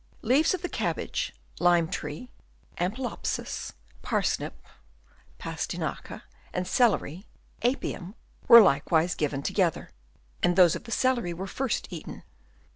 Leaves of the cab bage, lime tree, Ampelopsis, parsnip (Pasti naca), and celery (Apium) were likewise given together; and those of the celery were first eaten.